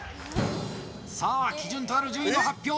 さあ基準となる順位の発表